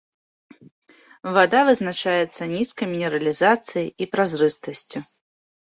Вада вызначаецца нізкай мінералізацыяй і празрыстасцю.